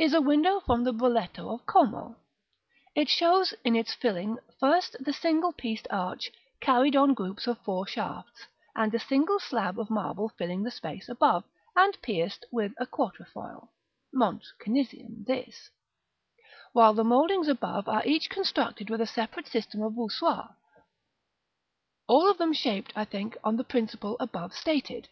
is a window from the Broletto of Como. It shows, in its filling, first, the single pieced arch, carried on groups of four shafts, and a single slab of marble filling the space above, and pierced with a quatrefoil (Mont Cenisian, this), while the mouldings above are each constructed with a separate system of voussoirs, all of them shaped, I think, on the principle above stated, § XXII.